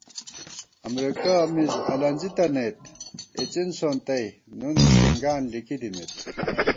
امرېکہ مِز الَنزِی تنَئیت، اِڅِن سونتَئ نُن شنگان لِکی دِمېت